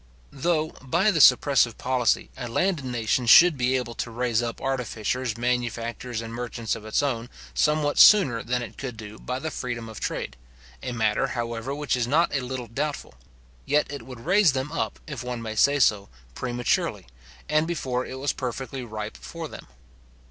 Though, by this oppressive policy, a landed nation should be able to raise up artificers, manufacturers, and merchants of its own, somewhat sooner than it could do by the freedom of trade; a matter, however, which is not a little doubtful; yet it would raise them up, if one may say so, prematurely, and before it was perfectly ripe for them.